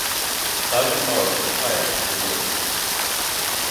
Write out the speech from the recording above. Sergeant Morris retired from the military.